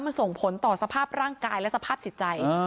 มันส่งผลต่อสภาพร่างกายและสภาพจิตใจ